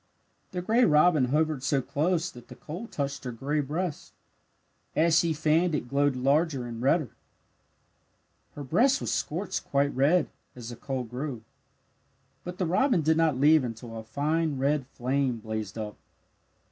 The gray robin hovered so close that the coal touched her gray breast. As she fanned it glowed larger and redder. Her breast was scorched quite red, as the coal grew. But the robin did not leave until a fine red flame blazed up.